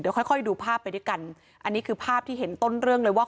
ค่อยค่อยดูภาพไปด้วยกันอันนี้คือภาพที่เห็นต้นเรื่องเลยว่า